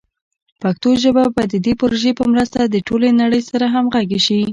پښتو ژبه به د دې پروژې په مرسته د ټولې نړۍ سره همغږي شي.